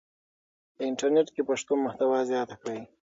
په انټرنیټ کې پښتو محتوا زیاته کړئ.